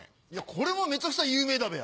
これはめちゃくちゃ有名だべや。